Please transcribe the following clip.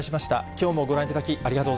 きょうもご覧いただき、ありがと